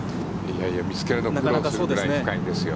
見つけるの苦労するくらい深いんですよ。